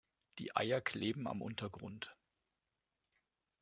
Die Eier kleben am Untergrund.